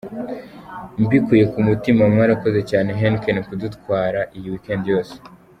Mbikuye ku mutima mwarakoze cyane Heineken kudutwara iyi weekend yose.